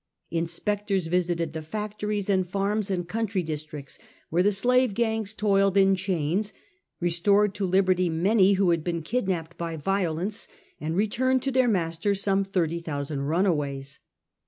Inspectors visited the factories and farms in country districts, where the slave gangs toiled in chains, restored to liberty many who had been kidnapped by violence, and returned to their masters some thirty thousand runaways.